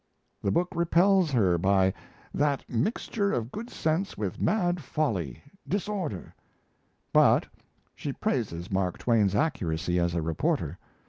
The book repels her by "that mixture of good sense with mad folly disorder"; but she praises Mark Twain's accuracy as a reporter.